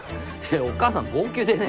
お母さん号泣でね。